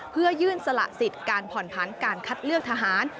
เพื่อยื่นสละสิทธิ์การผ่อนผันการคัดเลือกทหาร